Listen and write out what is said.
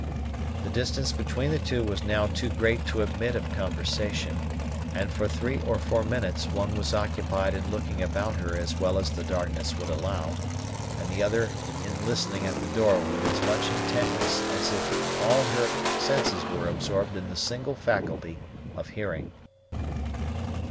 The distance between the two was now too great to admit of conversation; and for three or four minutes one was occupied in looking about her as well as the darkness would allow, and the other in listening at the door with as much intentness as if all her senses were absorbed in the single faculty of hearing.